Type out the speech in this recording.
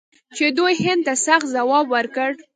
چې دوی هند ته سخت ځواب ورکړ.